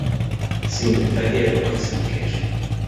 Színük fehér vagy szürkés.